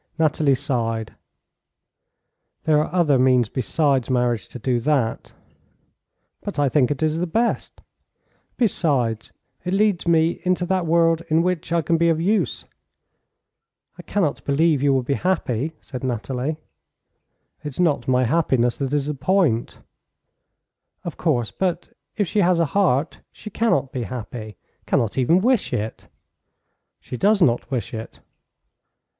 Nathalie sighed. "There are other means besides marriage to do that." "But I think it is the best. Besides, it leads me into that world in which I can be of use." "I cannot believe you will be happy," said Nathalie. "It's not my happiness that is the point." "Of course, but if she has a heart she cannot be happy cannot even wish it." "She does not wish it."